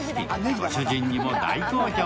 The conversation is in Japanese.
ご主人にも大好評。